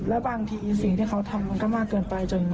และบางทีสิ่งที่เขาทำก็มากเกินไป